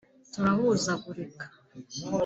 turahuzagurika